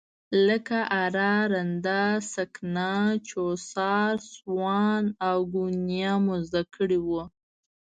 لکه اره، رنده، سکنه، چوسار، سوان او ګونیا مو زده کړي وو.